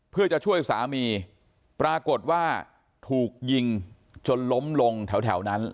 เพื่อจะช่วยสามีปรากฏว่าถูกยิงจนล้มลงแถวนั้น